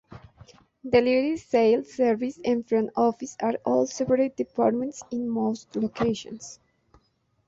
Deliveries, sales, service, and front office are all separate departments in most locations.